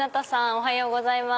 おはようございます。